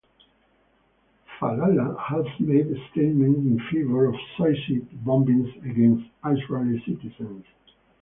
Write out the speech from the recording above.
Fadlallah has made statements in favour of suicide bombings against Israeli citizens.